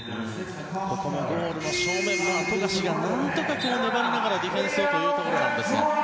ここもゴールの正面富樫が何とか粘りながらディフェンスをというところ。